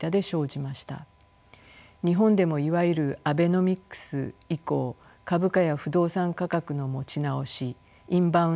日本でもいわゆるアベノミクス以降株価や不動産価格の持ち直しインバウンド